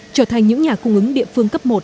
trở thành những nhà cung ứng địa phương cấp một